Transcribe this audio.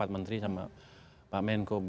menteri sama pak menko